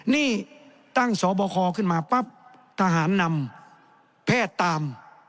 นี่ตั้งสบคขึ้นมาปั๊บทหารนำแพทย์ตาม